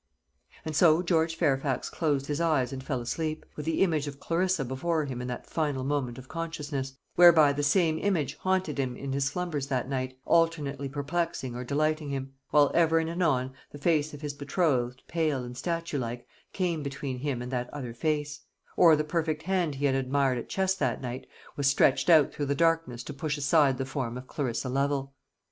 And so George Fairfax closed his eyes and fell asleep, with the image of Clarissa before him in that final moment of consciousness, whereby the same image haunted him in his slumbers that night, alternately perplexing or delighting him; while ever and anon the face of his betrothed, pale and statue like, came between him and that other face; or the perfect hand he had admired at chess that night was stretched out through the darkness to push aside the form of Clarissa Lovel.